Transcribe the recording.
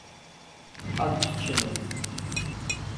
Adustina